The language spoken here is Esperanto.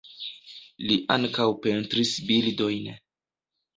Li ankaŭ pentris bildojn.